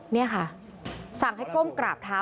นี่ค่ะสั่งให้ก้มกราบเท้า